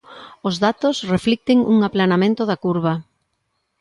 Os datos reflicten un aplanamento da curva.